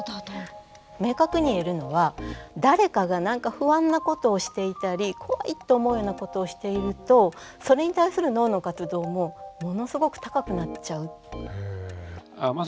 明確に言えるのは誰かが何か不安なことをしていたり怖いと思うようなことをしているとそれに対する脳の活動もものすごく高くなっちゃう。